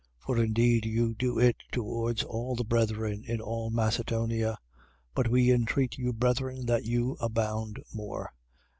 4:10. For indeed you do it towards all the brethren in all Macedonia. But we entreat you, brethren, that you abound more: 4:11.